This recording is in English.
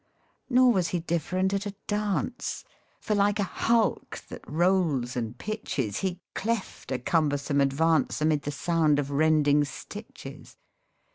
Nor was he different at a dance For like a hulk that rolls and pitches, He cleft a cumbersome advance Amid the sound of rending stitches.